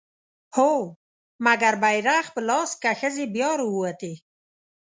هو! مګر بيرغ په لاس که ښځې بيا راووتې